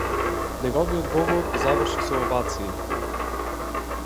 Неговиот говор заврши со овации.